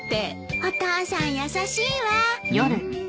お父さん優しいわ。